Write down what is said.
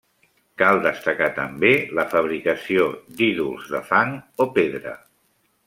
Cal destacar també la fabricació d'ídols de fang o pedra.